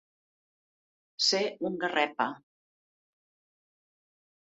Ser un garrepa.